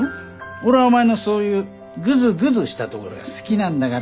俺はお前のそういうぐずぐずしたところが好きなんだからね。